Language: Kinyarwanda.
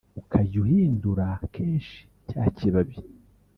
ukajya uhindura kenshi cya kibabi